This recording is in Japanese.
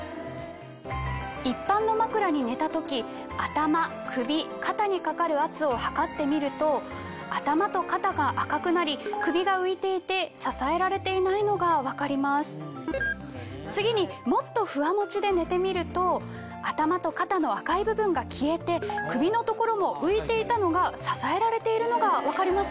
・一般の枕に寝た時頭首肩にかかる圧を測ってみると頭と肩が赤くなり首が浮いていて支えられていないのが分かります・・次にＭｏｔｔｏＦｕｗａＭｏｃｈｉで寝てみると頭と肩の赤い部分が消えて首の所も浮いていたのが支えられているのが分かりますよね・